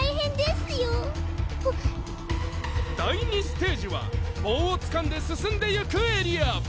第２ステージは棒をつかんで進んでいくエリア。